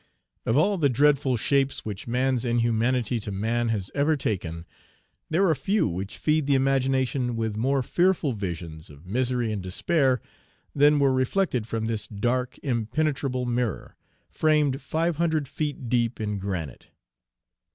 Of all the dreadful shapes which "man's inhumanity to man" Page 349 has ever taken, there are few which feed the imagination with more fearful visions of misery and despair than were reflected from this dark, impenetrable mirror, framed five hundred feet deep in granite.